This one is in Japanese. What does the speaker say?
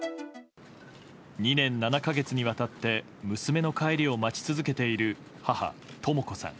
２年７か月にわたって娘の帰りを待ち続けている母とも子さん。